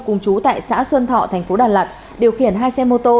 cùng chú tại xã xuân thọ thành phố đà lạt điều khiển hai xe mô tô